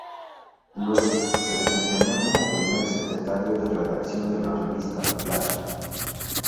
Luego, se desempeñó como primer secretario de Redacción de la revista "Flash".